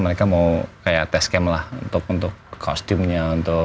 mereka mau test cam lah untuk kostumnya